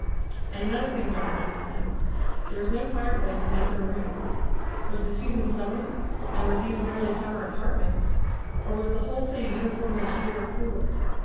And another thing dawned upon him. There was no fireplace in either room. Was the season summer, and were these merely summer apartments, or was the whole city uniformly heated or cooled?